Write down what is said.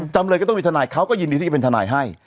จำเลยก็ต้องมีทนายเขาก็ยินดีที่จะเป็นทนายให้